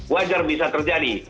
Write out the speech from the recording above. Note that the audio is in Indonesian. wajar bisa terjadi